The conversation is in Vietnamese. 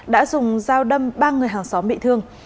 đã dùng dao đâm ba người hàng xóm bị thương